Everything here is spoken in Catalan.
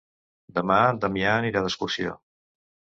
Demà en Damià anirà d'excursió.